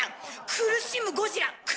苦しむゴジラ。